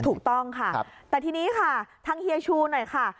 ถูกต้องค่ะแต่ทีนี้ค่ะทางเฮียชูหน่อยค่ะ